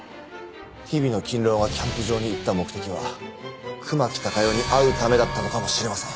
日比野近郎がキャンプ場に行った目的は熊木貴代に会うためだったのかもしれません。